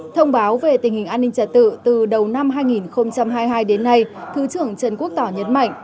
thông báo về tình hình an ninh trả tự từ đầu năm hai nghìn hai mươi hai đến nay thứ trưởng trần quốc tỏ nhấn mạnh